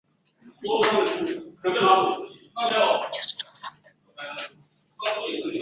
选管会将启德重新分划选区。